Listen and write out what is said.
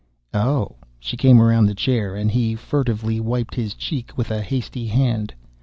"Oh." She came around the chair, and he furtively wiped his cheek with a hasty hand.